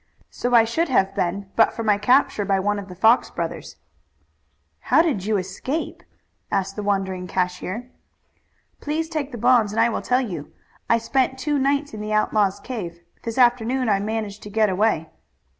"So I should have been, but for my capture by one of the Fox brothers." "And how did you escape?" asked the wondering cashier. "Please take the bonds and I will tell you. I spent two nights in the outlaws' cave. This afternoon I managed to get away."